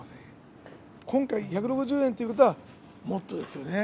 今回１６０円ということは、もっとですよね。